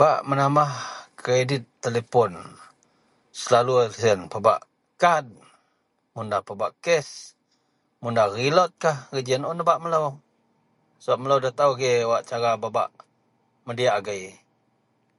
bak menambah kredit telepon, selalu siyen pebak kad mun da pebak cash mun da reloadkah ji ien un nebak melou sebab melou da tau agei wak cara bebak mediyak agei